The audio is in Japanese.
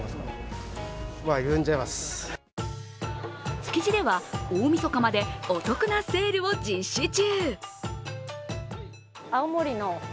築地では大みそかまでお得なセールを実施中。